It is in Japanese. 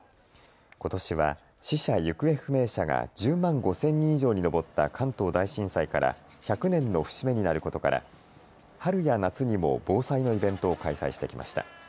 ことしは死者・行方不明者が１０万５０００人以上に上った関東大震災から１００年の節目になることから、春や夏にも防災のイベントを開催してきました。